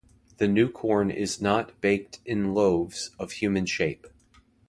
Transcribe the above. The new corn is not baked in loaves of human shape.